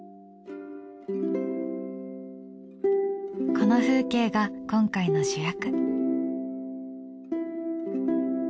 この風景が今回の主役。